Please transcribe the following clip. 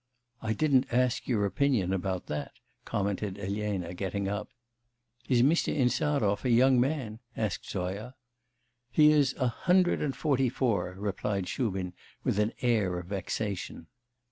'I didn't ask your opinion about that,' commented Elena, getting up. 'Is Mr. Insarov a young man?' asked Zoya. 'He is a hundred and forty four,' replied Shubin with an air of vexation.